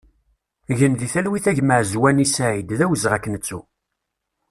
Gen di talwit a gma Azwani Saïd, d awezɣi ad k-nettu!